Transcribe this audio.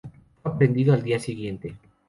Fue aprehendido al dia siguiente.